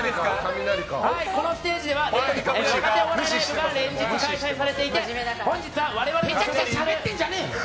このステージでは若手お笑いライブが連日開催されていてぺちゃくちゃしゃべってんじゃねえ！